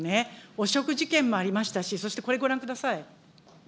汚職事件もありましたし、そしてこれ、ご覧ください。